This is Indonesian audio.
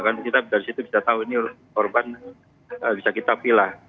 karena kita dari situ bisa tahu ini korban bisa kita pilah